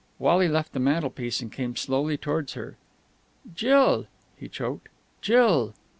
Wally left the mantelpiece, and came slowly towards her. "Jill!" He choked. "Jill!"